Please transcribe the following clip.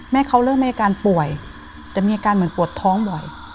เขาเริ่มมีอาการป่วยแต่มีอาการเหมือนปวดท้องบ่อย